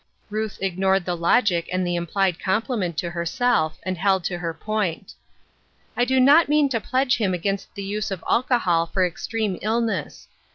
Ruth ignored the logic and the implied compliment to herself, and held to her point. " I do not mean to pledge him against the use of alcohol for extreme illness.